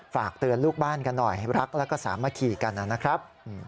ฝากเตือนลูกบ้านกันหน่อยรักแล้วก็สามัคคีกันนะครับ